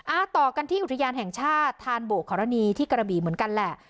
ต่อกันที่อุทยานแห่งชาติธานโบกขอรณีที่กระบี่เหมือนกันแหละ